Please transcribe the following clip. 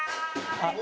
あっ！